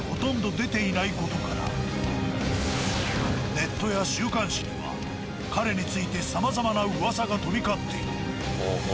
ネットや週刊誌には彼についてさまざまな噂が飛び交っている。